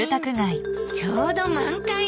ちょうど満開ね。